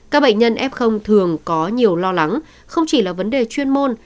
các bệnh nhân f thường có nhiều lo lắng không chỉ là vấn đề chuyên môn